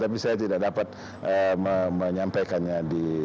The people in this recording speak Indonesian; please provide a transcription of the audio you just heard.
tapi saya tidak dapat menyampaikannya di